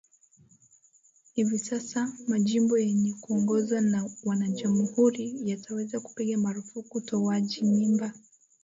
hivi sasa majimbo yenye kuongozwa na Wana jamuhuri yataweza kupiga marufuku utowaji mimba